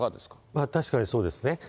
確かにそうですね。